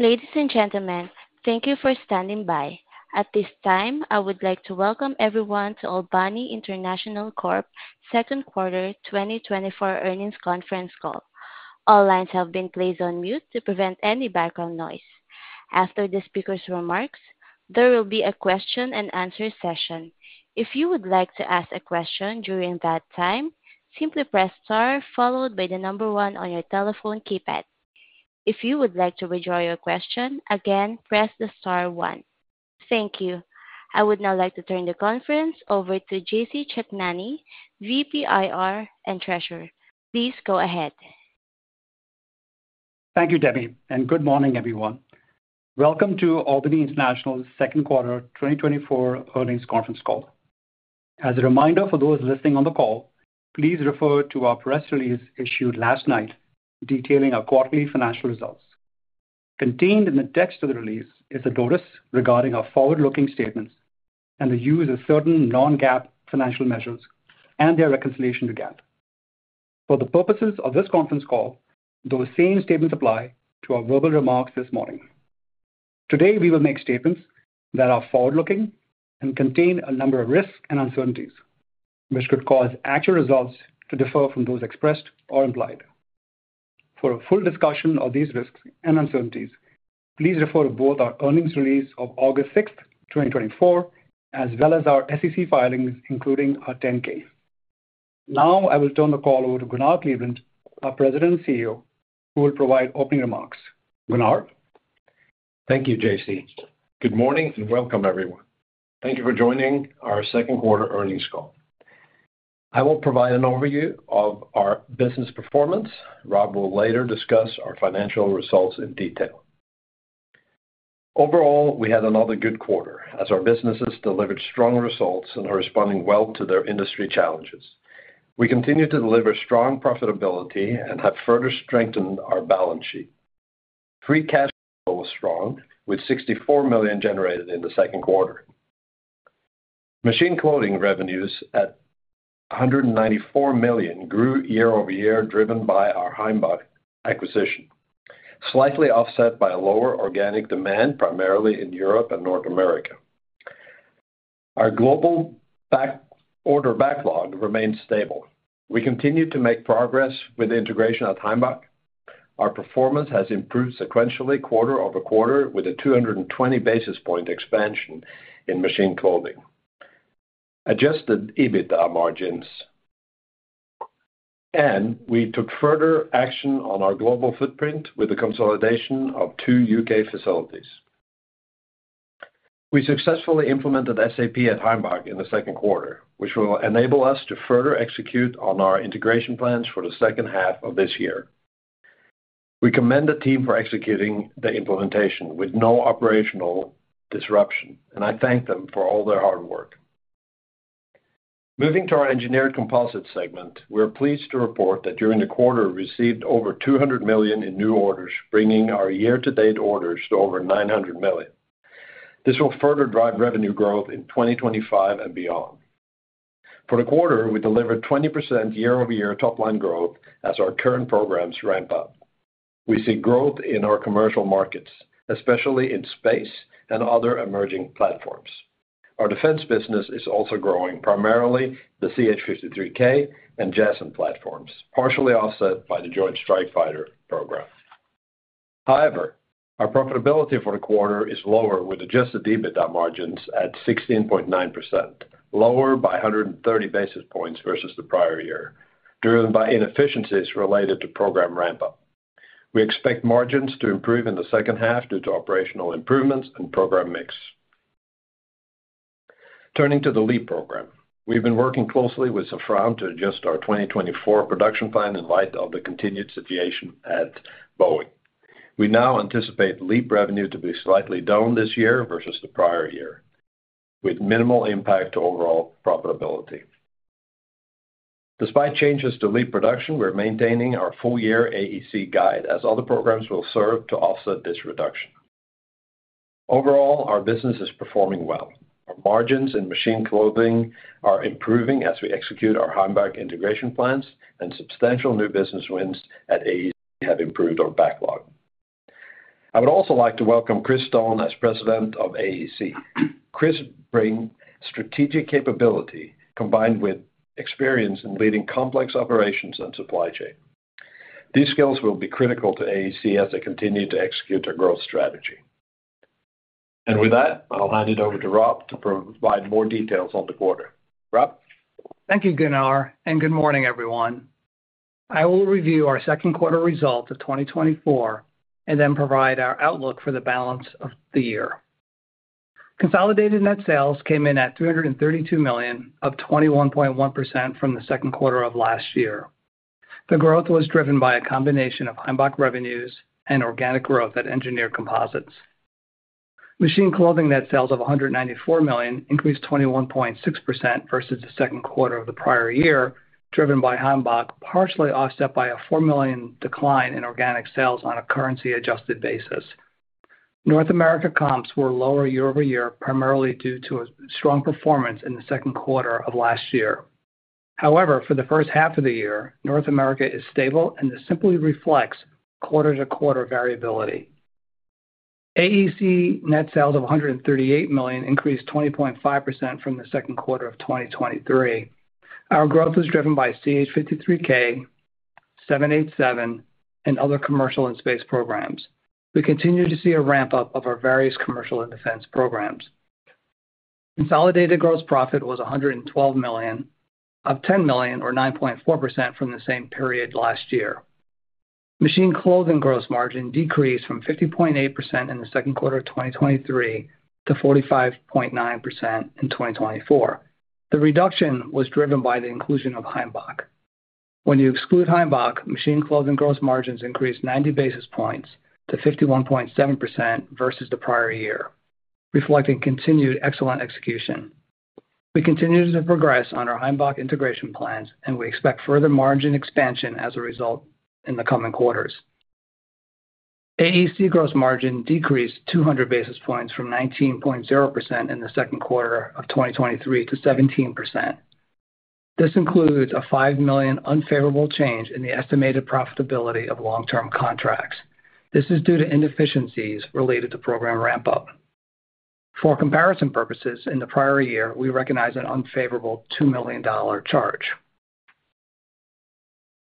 Ladies and gentlemen, thank you for standing by. At this time, I would like to welcome everyone to Albany International Corp.'s second quarter 2024 earnings conference call. All lines have been placed on mute to prevent any background noise. After the speaker's remarks, there will be a question and answer session. If you would like to ask a question during that time, simply press Star followed by the number 1 on your telephone keypad. If you would like to withdraw your question, again, press the Star 1. Thank you. I would now like to turn the conference over to JC Chetnani, VP, IR and Treasurer. Please go ahead. Thank you, Debbie, and good morning, everyone. Welcome to Albany International's second quarter 2024 earnings conference call. As a reminder for those listening on the call, please refer to our press release issued last night detailing our quarterly financial results. Contained in the text of the release is a notice regarding our forward-looking statements and the use of certain non-GAAP financial measures and their reconciliation to GAAP. For the purposes of this conference call, those same statements apply to our verbal remarks this morning. Today, we will make statements that are forward-looking and contain a number of risks and uncertainties, which could cause actual results to differ from those expressed or implied. For a full discussion of these risks and uncertainties, please refer to both our earnings release of August sixth, 2024, as well as our SEC filings, including our 10-K. Now, I will turn the call over to Gunnar Kleveland, our President and CEO, who will provide opening remarks. Gunnar? Thank you, JC. Good morning, and welcome, everyone. Thank you for joining our second quarter earnings call. I will provide an overview of our business performance. Rob will later discuss our financial results in detail. Overall, we had another good quarter as our businesses delivered strong results and are responding well to their industry challenges. We continue to deliver strong profitability and have further strengthened our balance sheet. Free cash flow was strong, with $64 million generated in the second quarter. Machine Clothing revenues at $194 million grew year-over-year, driven by our Heimbach acquisition, slightly offset by lower organic demand, primarily in Europe and North America. Our global order backlog remains stable. We continue to make progress with the integration of Heimbach. Our performance has improved sequentially quarter over quarter, with a 220 basis point expansion in Machine Clothing, Adjusted EBITDA margins. And we took further action on our global footprint with the consolidation of two U.K. facilities. We successfully implemented SAP at Heimbach in the second quarter, which will enable us to further execute on our integration plans for the second half of this year. We commend the team for executing the implementation with no operational disruption, and I thank them for all their hard work. Moving to our Engineered Composites segment, we're pleased to report that during the quarter, we received over $200 million in new orders, bringing our year-to-date orders to over $900 million. This will further drive revenue growth in 2025 and beyond. For the quarter, we delivered 20% year-over-year top-line growth as our current programs ramp up. We see growth in our commercial markets, especially in space and other emerging platforms. Our defense business is also growing, primarily the CH-53K and JASSM platforms, partially offset by the Joint Strike Fighter program. However, our profitability for the quarter is lower, with Adjusted EBITDA margins at 16.9%, lower by 130 basis points versus the prior year, driven by inefficiencies related to program ramp-up. We expect margins to improve in the second half due to operational improvements and program mix. Turning to the LEAP program. We've been working closely with Safran to adjust our 2024 production plan in light of the continued situation at Boeing. We now anticipate LEAP revenue to be slightly down this year versus the prior year, with minimal impact to overall profitability. Despite changes to LEAP production, we're maintaining our full-year AEC guide as other programs will serve to offset this reduction. Overall, our business is performing well. Our margins in Machine Clothing are improving as we execute our Heimbach integration plans, and substantial new business wins at AEC have improved our backlog. I would also like to welcome Chris Stone as President of AEC. Chris bring strategic capability combined with experience in leading complex operations and supply chain. These skills will be critical to AEC as they continue to execute their growth strategy. With that, I'll hand it over to Rob to provide more details on the quarter. Rob? Thank you, Gunnar, and good morning, everyone. I will review our second quarter results of 2024 and then provide our outlook for the balance of the year. Consolidated net sales came in at $332 million, up 21.1% from the second quarter of last year. The growth was driven by a combination of Heimbach revenues and organic growth at Engineered Composites. Machine Clothing net sales of $194 million increased 21.6% versus the second quarter of the prior year, driven by Heimbach, partially offset by a $4 million decline in organic sales on a currency-adjusted basis. North America comps were lower year-over-year, primarily due to a strong performance in the second quarter of last year. However, for the first half of the year, North America is stable and this simply reflects quarter-to-quarter variability. AEC net sales of $138 million increased 20.5% from the second quarter of 2023. Our growth was driven by CH-53K, 787, and other commercial and space programs. We continue to see a ramp-up of our various commercial and defense programs. Consolidated gross profit was $112 million, up $10 million or 9.4% from the same period last year. Machine Clothing gross margin decreased from 50.8% in the second quarter of 2023 to 45.9% in 2024. The reduction was driven by the inclusion of Heimbach. When you exclude Heimbach, Machine Clothing gross margins increased 90 basis points to 51.7% versus the prior year, reflecting continued excellent execution. We continue to progress on our Heimbach integration plans, and we expect further margin expansion as a result in the coming quarters. AEC gross margin decreased 200 basis points from 19.0% in the second quarter of 2023 to 17%. This includes a $5 million unfavorable change in the estimated profitability of long-term contracts. This is due to inefficiencies related to program ramp-up. For comparison purposes, in the prior year, we recognized an unfavorable $2 million charge.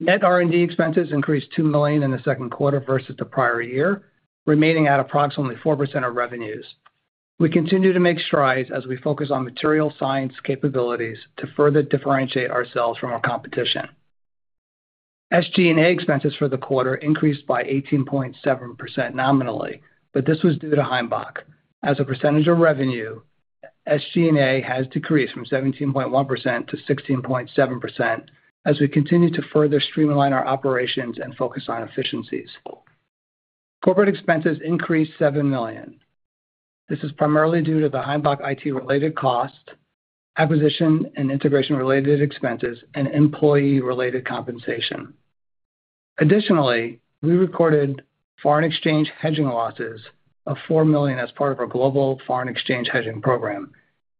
Net R&D expenses increased $2 million in the second quarter versus the prior year, remaining at approximately 4% of revenues. We continue to make strides as we focus on material science capabilities to further differentiate ourselves from our competition. SG&A expenses for the quarter increased by 18.7% nominally, but this was due to Heimbach. As a percentage of revenue, SG&A has decreased from 17.1% to 16.7% as we continue to further streamline our operations and focus on efficiencies. Corporate expenses increased $7 million. This is primarily due to the Heimbach IT-related costs, acquisition and integration-related expenses, and employee-related compensation. Additionally, we recorded foreign exchange hedging losses of $4 million as part of our global foreign exchange hedging program.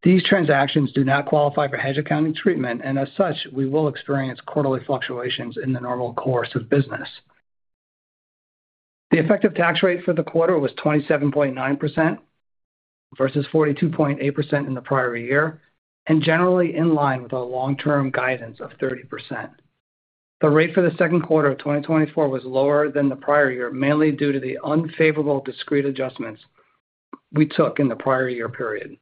These transactions do not qualify for hedge accounting treatment, and as such, we will experience quarterly fluctuations in the normal course of business. The effective tax rate for the quarter was 27.9%, versus 42.8% in the prior year, and generally in line with our long-term guidance of 30%. The rate for the second quarter of 2024 was lower than the prior year, mainly due to the unfavorable discrete adjustments we took in the prior year period.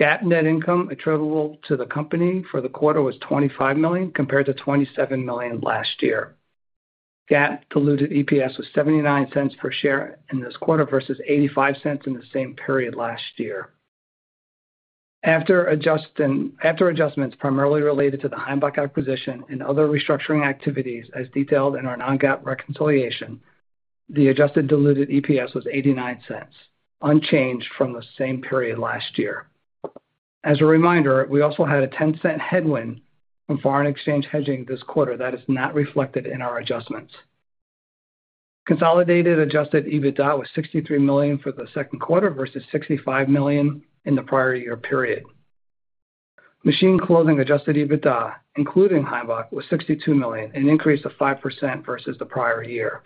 GAAP net income attributable to the company for the quarter was $25 million, compared to $27 million last year. GAAP diluted EPS was $0.79 per share in this quarter versus $0.85 in the same period last year. After adjustments primarily related to the Heimbach acquisition and other restructuring activities, as detailed in our non-GAAP reconciliation, the adjusted diluted EPS was $0.89, unchanged from the same period last year. As a reminder, we also had a $0.10 headwind from foreign exchange hedging this quarter. That is not reflected in our adjustments. Consolidated adjusted EBITDA was $63 million for the second quarter versus $65 million in the prior year period. Machine Clothing adjusted EBITDA, including Heimbach, was $62 million, an increase of 5% versus the prior year.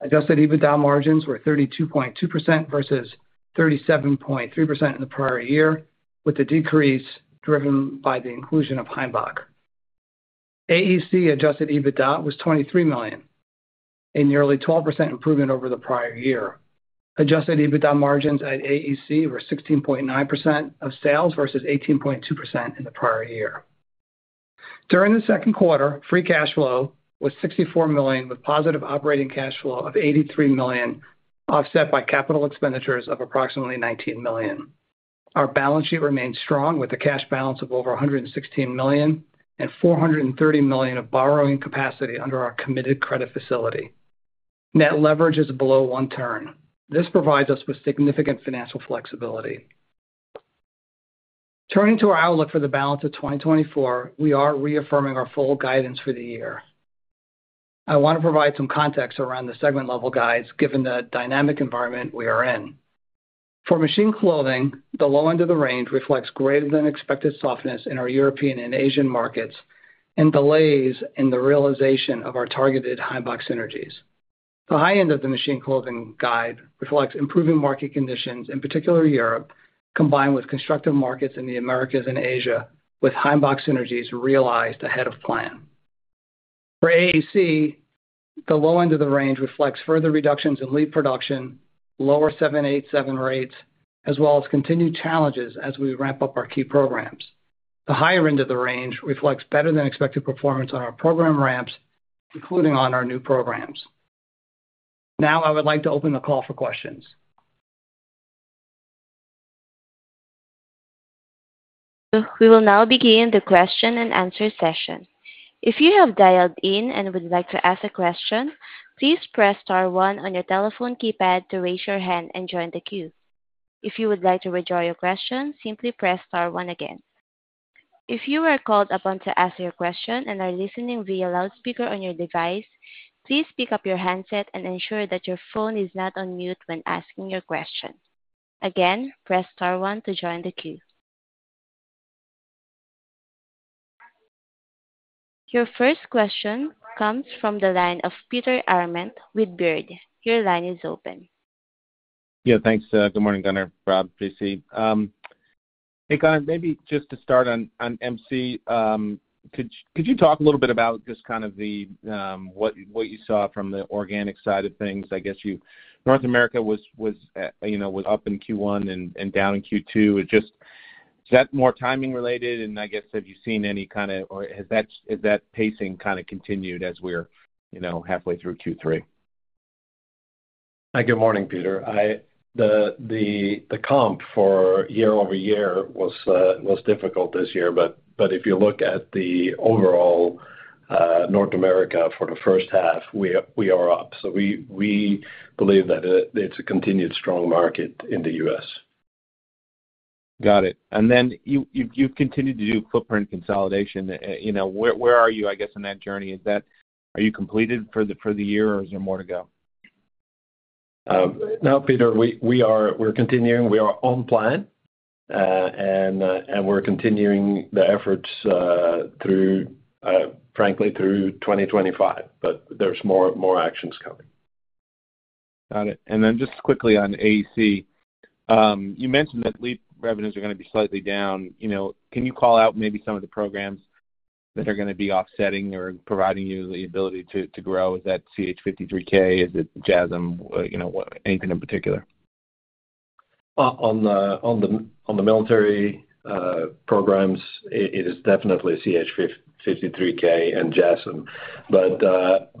Adjusted EBITDA margins were 32.2% versus 37.3% in the prior year, with the decrease driven by the inclusion of Heimbach. AEC adjusted EBITDA was $23 million, a nearly 12% improvement over the prior year. Adjusted EBITDA margins at AEC were 16.9% of sales versus 18.2% in the prior year. During the second quarter, free cash flow was $64 million, with positive operating cash flow of $83 million, offset by capital expenditures of approximately $19 million. Our balance sheet remains strong, with a cash balance of over $116 million and $430 million of borrowing capacity under our committed credit facility. Net leverage is below one turn. This provides us with significant financial flexibility. Turning to our outlook for the balance of 2024, we are reaffirming our full guidance for the year. I want to provide some context around the segment-level guides, given the dynamic environment we are in. For Machine Clothing, the low end of the range reflects greater-than-expected softness in our European and Asian markets and delays in the realization of our targeted Heimbach synergies. The high end of the Machine Clothing guide reflects improving market conditions, in particular Europe, combined with constructive markets in the Americas and Asia, with Heimbach synergies realized ahead of plan. For AEC, the low end of the range reflects further reductions in LEAP production, lower 787 rates, as well as continued challenges as we ramp up our key programs. The higher end of the range reflects better-than-expected performance on our program ramps, including on our new programs. Now I would like to open the call for questions. We will now begin the question-and-answer session. If you have dialed in and would like to ask a question, please press star one on your telephone keypad to raise your hand and join the queue. If you would like to withdraw your question, simply press star 1 again. If you are called upon to ask your question and are listening via loudspeaker on your device, please pick up your handset and ensure that your phone is not on mute when asking your question. Again, press star 1 to join the queue. Your first question comes from the line of Peter Arment with Baird. Your line is open. Yeah, thanks. Good morning, Gunnar, Rob,. Hey, Gunnar, maybe just to start on MC, could you talk a little bit about just kind of the what you saw from the organic side of things? I guess North America was up in Q1 and down in Q2. It just is that more timing related, and I guess, have you seen any kind of, or has that pacing kind of continued as we're halfway through Q3? Hi, good morning, Peter. The comp for year-over-year was difficult this year, but if you look at the overall North America for the first half, we are up. So we believe that it's a continued strong market in the U.S. Got it. And then you've continued to do footprint consolidation. You know, where are you, I guess, in that journey? Is that, are you completed for the year, or is there more to go? No, Peter, we are continuing. We are on plan, and we're continuing the efforts through, frankly, through 2025, but there's more actions coming. Got it. And then just quickly on AEC, you mentioned that LEAP revenues are gonna be slightly down. You know, can you call out maybe some of the programs that are gonna be offsetting or providing you the ability to, to grow? Is that CH-53K? Is it JASSM, you know, anything in particular? On the military programs, it is definitely CH-53K and JASSM.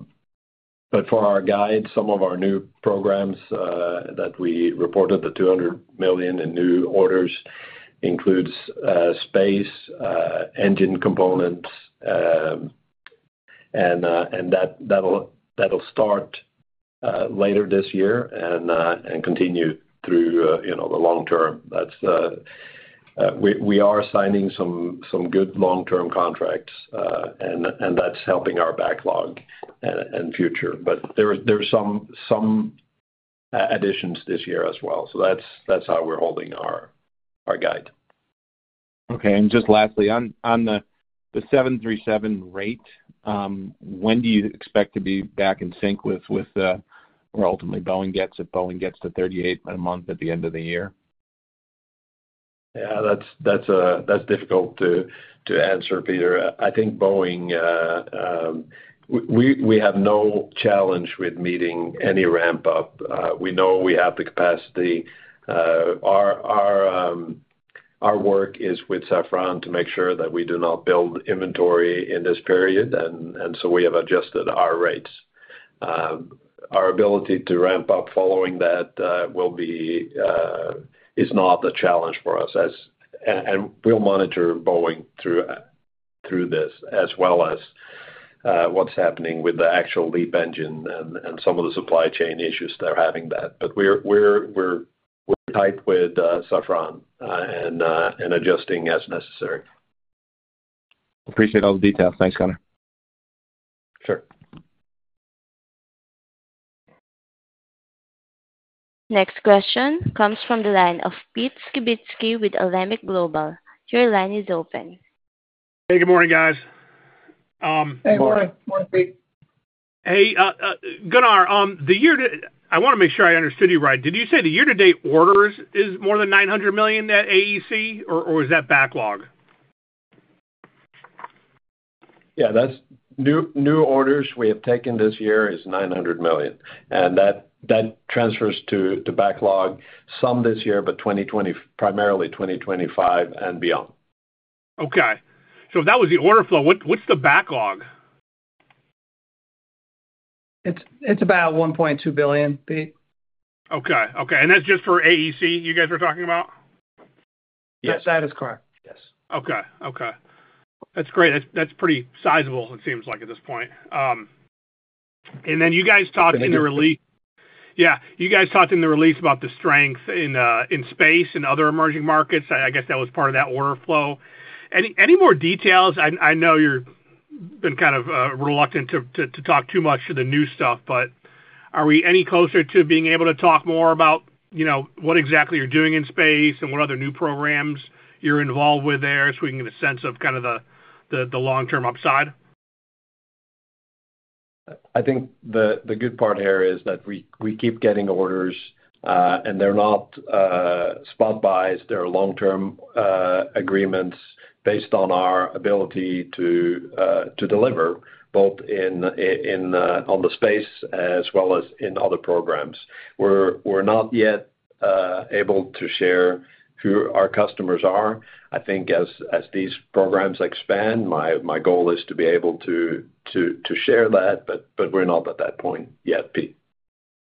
But for our guide, some of our new programs that we reported, the $200 million in new orders, includes space engine components, and that, that'll start later this year and continue through, you know, the long term. That's we are signing some good long-term contracts, and that's helping our backlog and future. But there are some additions this year as well. So that's how we're holding our guide. Okay. And just lastly, on the 737 rate, when do you expect to be back in sync with where ultimately Boeing gets, if Boeing gets to 38 a month at the end of the year? Yeah, that's difficult to answer, Peter. I think Boeing, we have no challenge with meeting any ramp up. We know we have the capacity. Our work is with Safran to make sure that we do not build inventory in this period, and so we have adjusted our rates. Our ability to ramp up following that is not a challenge for us as... And we'll monitor Boeing through this, as well as what's happening with the actual LEAP engine and some of the supply chain issues they're having there. But we're tight with Safran and adjusting as necessary. Appreciate all the details. Thanks, Gunnar. Sure. Next question comes from the line of Pete Skibitski with Alembic Global. Your line is open. Hey, good morning, guys. Hey, good morning. Morning, Pete. Hey, Gunnar, I wanna make sure I understood you right. Did you say the year-to-date orders is more than $900 million at AEC, or is that backlog? Yeah, that's new orders we have taken this year is $900 million, and that transfers to backlog. Some this year, but 2024- primarily 2025 and beyond. Okay. So if that was the order flow, what's the backlog? It's about $1.2 billion, Pete. Okay. Okay, and that's just for AEC, you guys were talking about? Yes. That is correct, yes. Okay. Okay, that's great. That's, that's pretty sizable, it seems like, at this point. And then you guys talked in the release—yeah, you guys talked in the release about the strength in space and other emerging markets. I guess that was part of that order flow. Any more details? I know you've been kind of reluctant to talk too much to the new stuff, but are we any closer to being able to talk more about, you know, what exactly you're doing in space and what other new programs you're involved with there, so we can get a sense of kind of the long-term upside? I think the good part here is that we keep getting orders, and they're not spot buys. They're long-term agreements based on our ability to deliver, both in on the space as well as in other programs. We're not yet able to share who our customers are. I think as these programs expand, my goal is to be able to share that, but we're not at that point yet, Pete.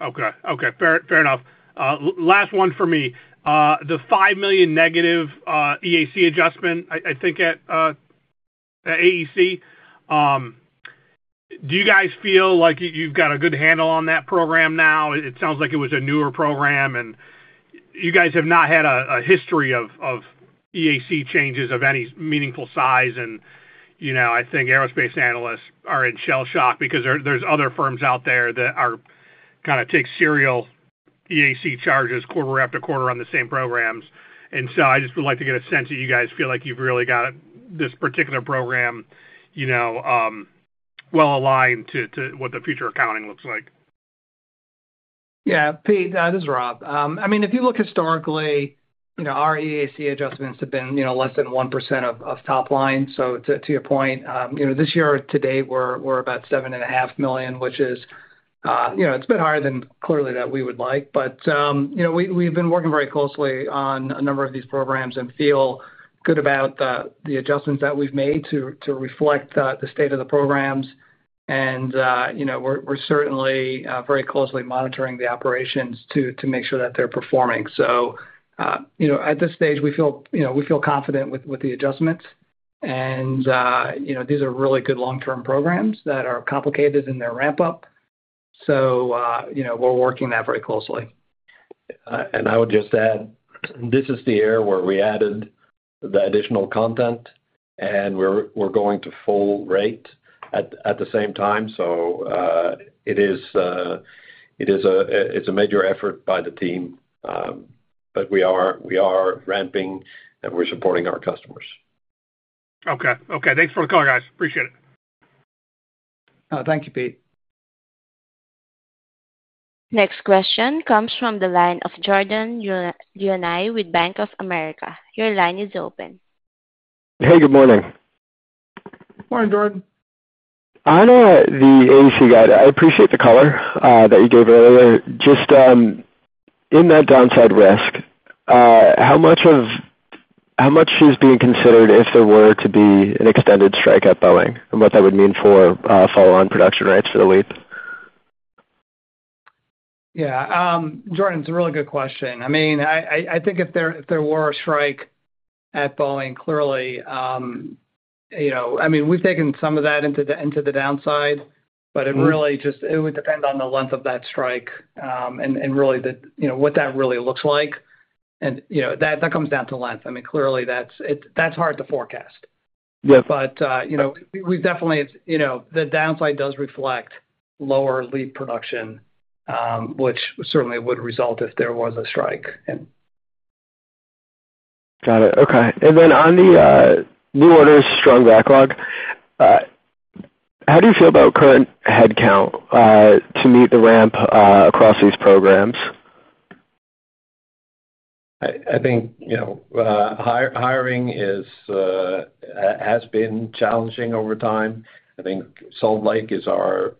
Okay. Okay, fair, fair enough. Last one for me. The $5 million negative EAC adjustment, I think at AEC, do you guys feel like you've got a good handle on that program now? It sounds like it was a newer program, and you guys have not had a history of EAC changes of any meaningful size, and I think aerospace analysts are in shell shock because there's other firms out there that are kind of take serial EAC charges quarter after quarter on the same programs. And so I just would like to get a sense that you guys feel like you've really got this particular program, you know, well aligned to what the future accounting looks like. Yeah, Pete, this is Rob. I mean, if you look historically, you know, our EAC adjustments have been, you know, less than 1% of top line. So to your point, you know, this year, today, we're about $7.5 million, which is, you know, it's a bit higher than clearly that we would like. But, you know, we've been working very closely on a number of these programs and feel good about the adjustments that we've made to reflect the state of the programs. And, you know, we're certainly very closely monitoring the operations to make sure that they're performing. So, you know, at this stage, we feel confident with the adjustments. These are really good long-term programs that are complicated in their ramp-up. You know, we're working that very closely. And I would just add, this is the year where we added the additional content, and we're going to full rate at the same time. So, it is a major effort by the team, but we are ramping, and we're supporting our customers. Okay. Okay, thanks for the call, guys. Appreciate it. Thank you, Pete. Next question comes from the line of Jordan Lyonnais with Bank of America. Your line is open. Hey, good morning. Morning, Jordan. On the AEC guide, I appreciate the color that you gave earlier. Just, in that downside risk, how much is being considered if there were to be an extended strike at Boeing, and what that would mean for follow-on production rates for the LEAP? Yeah, Jordan, it's a really good question. I mean, I think if there were a strike at Boeing, clearly. I mean, we've taken some of that into the downside, but it really just—it would depend on the length of that strike, and really the, what that really looks like. And that comes down to length. I mean, clearly, that's hard to forecast. Yeah. But, we've definitely, the downside does reflect lower LEAP production, which certainly would result if there was a strike, and. Got it. Okay. And then on the new orders, strong backlog, how do you feel about current headcount to meet the ramp across these programs? I think, hiring has been challenging over time. I think Salt Lake is our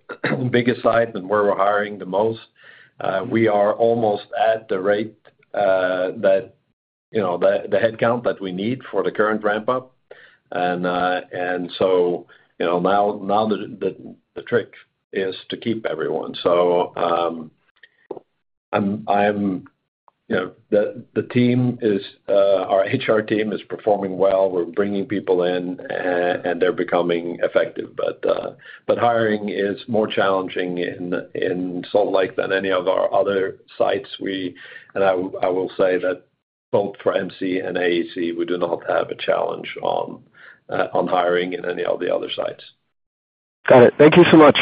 biggest site and where we're hiring the most. We are almost at the rate that, the headcount that we need for the current ramp-up. And so, now the trick is to keep everyone. So, the team is, our HR team is performing well. We're bringing people in, and they're becoming effective. But hiring is more challenging in Salt Lake than any of our other sites. And I will say that both for MC and AEC, we do not have a challenge on hiring in any of the other sites. Got it. Thank you so much.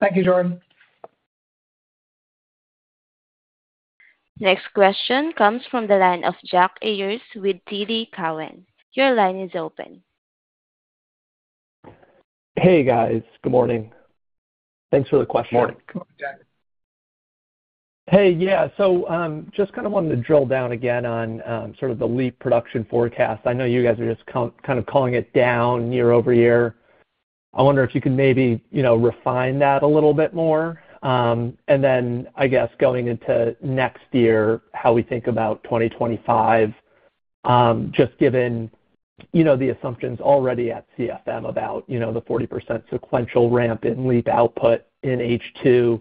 Thank you, Jordan. Next question comes from the line of Jack Ayers with TD Cowen. Your line is open. Hey, guys. Good morning. Thanks for the question. Morning, Jack. Hey, yeah. So, just kind of wanted to drill down again on, sort of the LEAP production forecast. I know you guys are just kind of calling it down year over year. I wonder if you could maybe, refine that a little bit more. And then, I guess, going into next year, how we think about 2025, just given, you know, the assumptions already at CFM about, the 40% sequential ramp in LEAP output in H2.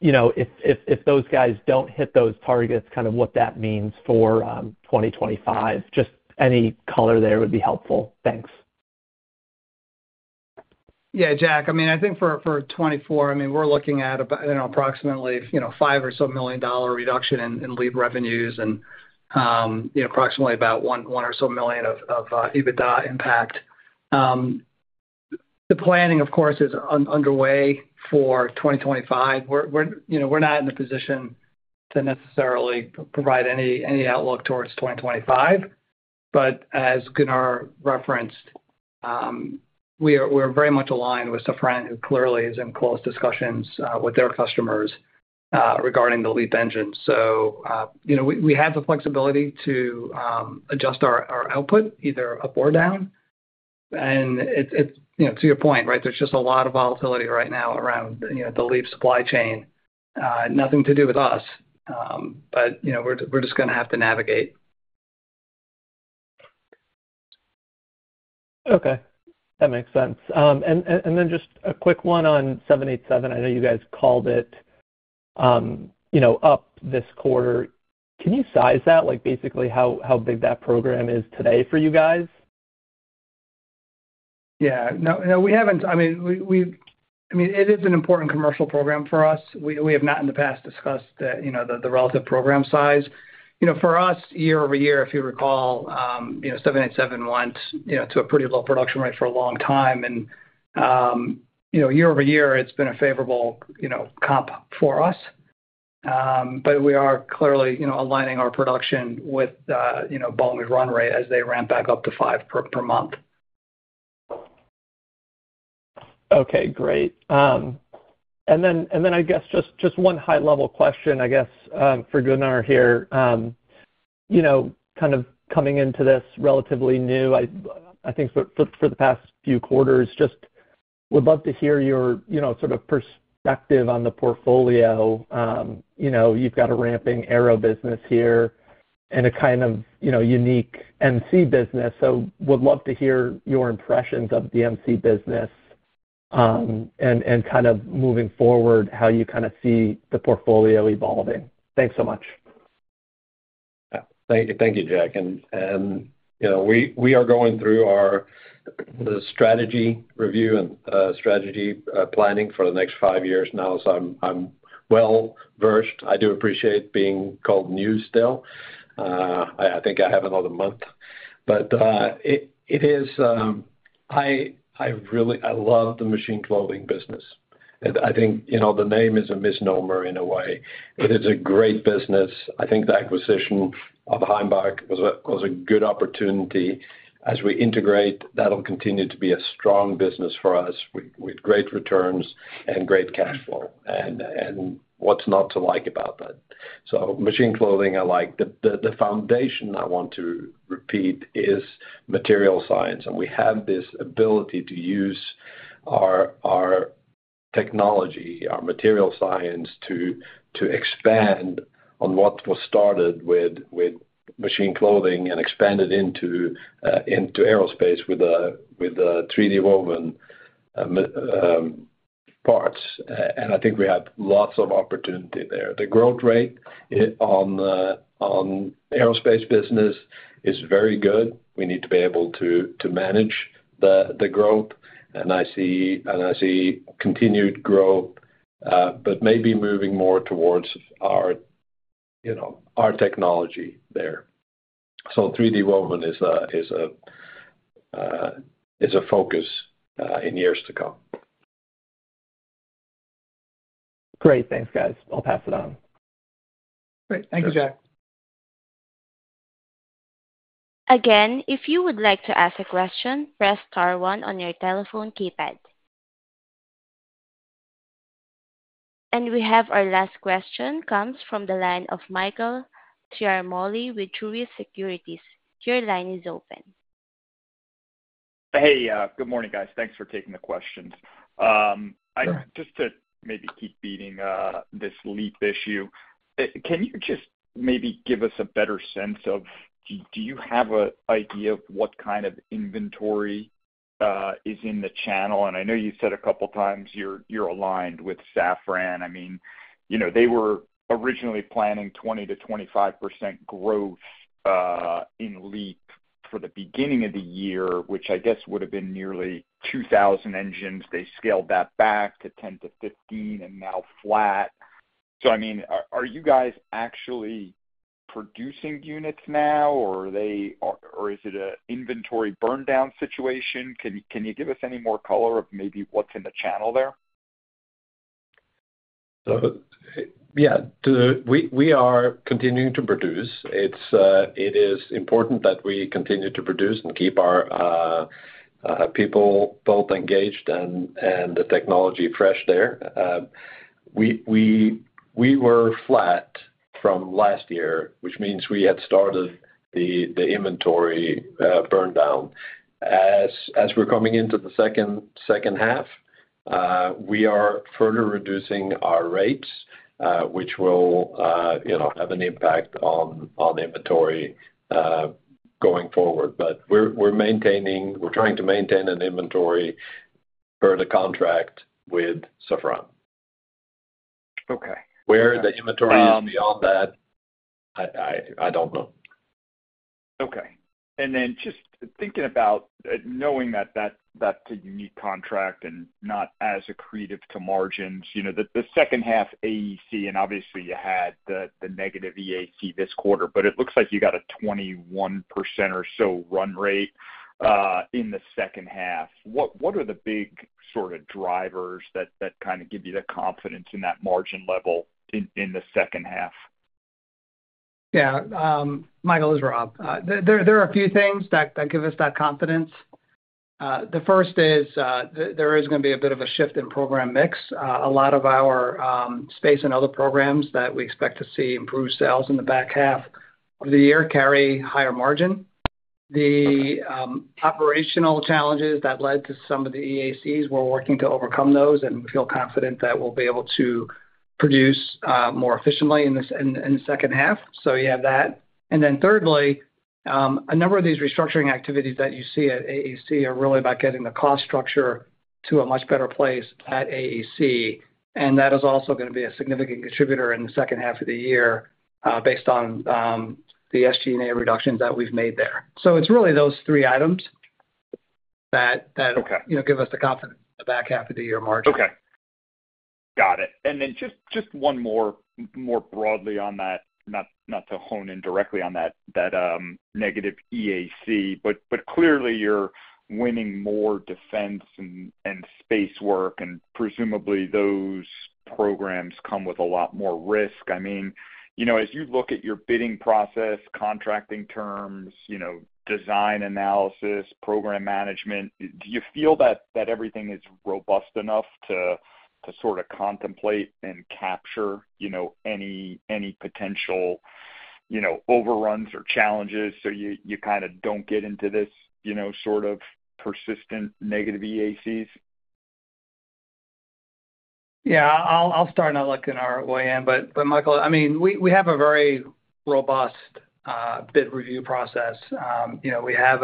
If those guys don't hit those targets, kind of what that means for 2025. Just any color there would be helpful. Thanks. Yeah, Jack. I mean, I think for 2024, I mean, we're looking at about, you know, approximately, you know, $5 million reduction in LEAP revenues and, you know, approximately about one or so million of EBITDA impact. The planning, of course, is underway for 2025. We're, we're, we're not in the position to necessarily provide any outlook towards 2025, but as Gunnar referenced, we are, we're very much aligned with Safran, who clearly is in close discussions with their customers regarding the LEAP engine. So, you know, we, we have the flexibility to adjust our output either up or down, and it. To your point, right, there's just a lot of volatility right now around, the LEAP supply chain. Nothing to do with us, but, we're just gonna have to navigate. Okay, that makes sense. And then just a quick one on 787. I know you guys called it, you know, up this quarter. Can you size that? Like, basically how big that program is today for you guys? Yeah. No, no, we haven't. I mean, we—I mean, it is an important commercial program for us. We have not in the past discussed the relative program size. For us, year-over-year, if you recall, 787 went, to a pretty low production rate for a long time. And, year-over-year, it's been a favorable, comp for us. But we are clearly, aligning our production with, Boeing's run rate as they ramp back up to 5 per month. Okay, great. And then I guess just one high-level question, I guess, for Gunnar here. You know, kind of coming into this relatively new, I think for the past few quarters, just would love to hear your, sort of perspective on the portfolio. You've got a ramping aero business here and a kind of, unique MC business. So would love to hear your impressions of the MC business, and kind of moving forward, how you kind of see the portfolio evolving. Thanks so much. Yeah. Thank you. Thank you, Jack. We are going through our strategy review and strategy planning for the next five years now, so I'm well versed. I do appreciate being called new still. I think I have another month. But it is. I really love the machine clothing business. And I think, you know, the name is a misnomer in a way. It is a great business. I think the acquisition of Heimbach was a good opportunity. As we integrate, that'll continue to be a strong business for us with great returns and great cash flow. And what's not to like about that? So machine clothing, I like. The foundation I want to repeat is material science, and we have this ability to use our technology, our material science, to expand on what was started with Machine Clothing and expand it into aerospace with the 3D woven parts. And I think we have lots of opportunity there. The growth rate on the aerospace business is very good. We need to be able to manage the growth, and I see continued growth, but maybe moving more towards our, you know, our technology there. So 3D woven is a focus in years to come. Great. Thanks, guys. I'll pass it on. Great. Thank you, Jack. Again, if you would like to ask a question, press star 1 on your telephone keypad. We have our last question comes from the line of Michael Ciaramoli with Truist Securities. Your line is open. Hey, good morning, guys. Thanks for taking the questions. Just to maybe keep beating this LEAP issue, can you just maybe give us a better sense of, do you have an idea of what kind of inventory is in the channel? And I know you said a couple times you're aligned with Safran. I mean, they were originally planning 20%-25% growth in LEAP for the beginning of the year, which I guess would have been nearly 2,000 engines. They scaled that back to 10-15 and now flat. So I mean, are you guys actually producing units now, or are they—or is it an inventory burn down situation? Can you give us any more color on maybe what's in the channel there? So, yeah, we are continuing to produce. It is important that we continue to produce and keep our people both engaged and the technology fresh there. We were flat from last year, which means we had started the inventory burn down. As we're coming into the second half, we are further reducing our rates, which will, you know, have an impact on inventory going forward. But we're maintaining. We're trying to maintain an inventory per the contract with Safran. Okay. Where the inventory is beyond that, I don't know. Okay. And then just thinking about knowing that that's a unique contract and not as accretive to margins, the second half AEC, and obviously you had the negative EAC this quarter, but it looks like you got a 21% or so run rate in the second half. What are the big sort of drivers that kind of give you the confidence in that margin level in the second half? Yeah, Michael, it's Rob. There are a few things that give us that confidence. The first is, there is gonna be a bit of a shift in program mix. A lot of our space and other programs that we expect to see improved sales in the back half of the year carry higher margin. The operational challenges that led to some of the EACs, we're working to overcome those and feel confident that we'll be able to produce more efficiently in the second half. So you have that. And then thirdly, a number of these restructuring activities that you see at AEC are really about getting the cost structure... to a much better place at AEC, and that is also gonna be a significant contributor in the second half of the year, based on the SG&A reductions that we've made there. So it's really those three items that Okay. that, give us the confidence, the back half of the year margin. Okay. Got it. And then just one more, more broadly on that, not to hone in directly on that negative EAC, but clearly, you're winning more defense and space work, and presumably, those programs come with a lot more risk. I mean, as you look at your bidding process, contracting terms, design analysis, program management, do you feel that everything is robust enough to sorta contemplate and capture, any potential, overruns or challenges, so you kinda don't get into this, sort of persistent negative EACs? Yeah, I'll start and I'll let Gunnar in. But Michael, I mean, we have a very robust bid review process. You know, we have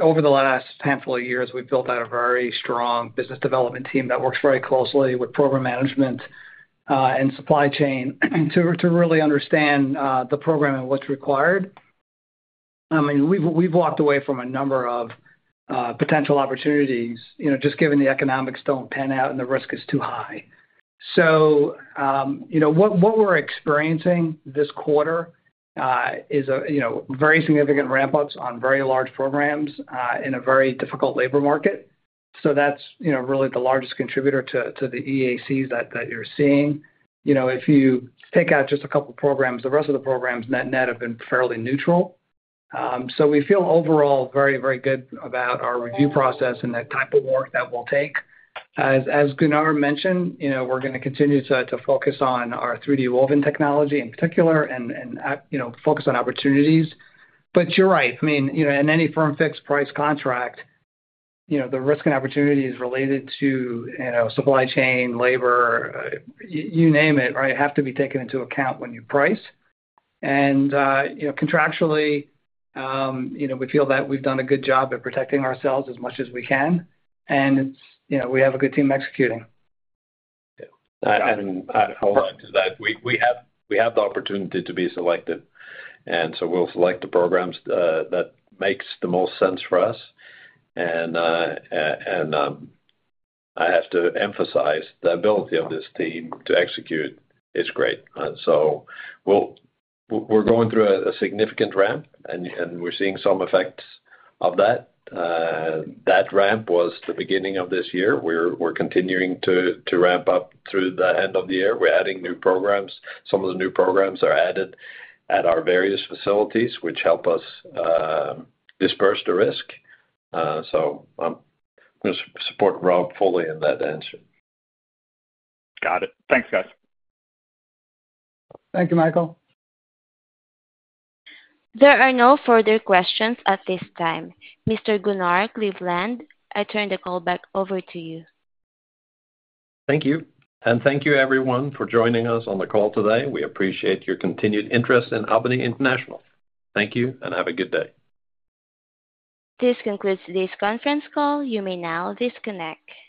over the last handful of years, we've built out a very strong business development team that works very closely with program management and supply chain to really understand the program and what's required. I mean, we've walked away from a number of potential opportunities, you know, just given the economics don't pan out and the risk is too high. So, you know, what we're experiencing this quarter is a very significant ramp-ups on very large programs in a very difficult labor market. So that's, you know, really the largest contributor to the EACs that you're seeing. If you take out just a couple of programs, the rest of the programs, net net, have been fairly neutral. So we feel overall very, very good about our review process and the type of work that we'll take. As Gunnar mentioned, you know, we're gonna continue to focus on our three-dimensional woven technology, in particular, and you know, focus on opportunities. But you're right. I mean, you know, in any firm, fixed price contract, you know, the risk and opportunity is related to, you know, supply chain, labor, you name it, right? Have to be taken into account when you price. And contractually, we feel that we've done a good job at protecting ourselves as much as we can, and, we have a good team executing. Yeah. I'll add to that. We have the opportunity to be selected, and so we'll select the programs that makes the most sense for us. And I have to emphasize, the ability of this team to execute is great. So we're going through a significant ramp, and we're seeing some effects of that. That ramp was the beginning of this year. We're continuing to ramp up through the end of the year. We're adding new programs. Some of the new programs are added at our various facilities, which help us disperse the risk. So just support Rob fully in that answer. Got it. Thanks, guys. Thank you, Michael. There are no further questions at this time. Mr. Gunnar Kleveland, I turn the call back over to you. Thank you. Thank you, everyone, for joining us on the call today. We appreciate your continued interest in Albany International. Thank you, and have a good day. This concludes today's conference call. You may now disconnect.